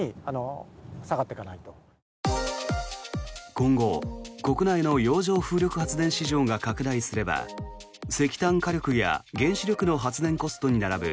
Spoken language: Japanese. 今後、国内の洋上風力発電市場が拡大すれば石炭火力や原子力の発電コストに並ぶ